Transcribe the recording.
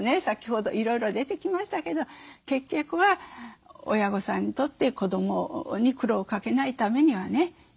先ほどいろいろ出てきましたけど結局は親御さんにとって子どもに苦労をかけないためにはね